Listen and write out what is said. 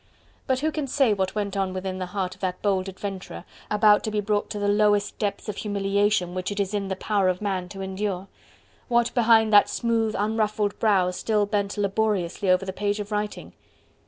But who can say what went on within the heart of that bold adventurer, about to be brought to the lowest depths of humiliation which it is in the power of man to endure? What behind that smooth unruffled brow still bent laboriously over the page of writing?